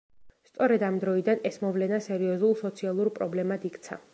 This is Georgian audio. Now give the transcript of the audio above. სწორედ ამ დროიდან, ეს მოვლენა სერიოზულ სოციალურ პრობლემად იქცა.